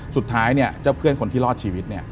สุดท้ายเนี่ยเจ้าเพื่อนคนที่รอดชีวิตเนี่ย